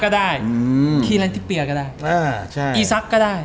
ก็ได้คีย์แลนด์ทิศเปียร์ก็ได้